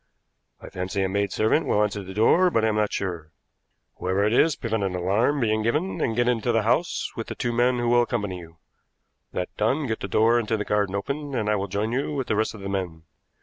I fancy a maidservant will answer the door, but I am not sure. Whoever it is, prevent an alarm being given, and get into the house with the two men who will accompany you. That done, get the door into the garden open, and I will join you with the rest of the men.